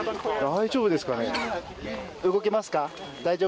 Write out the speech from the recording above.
大丈夫ですか？